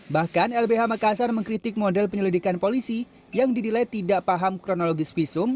bahkan lbh makassar mengkritik model penyelidikan polisi yang didilai tidak paham kronologis visum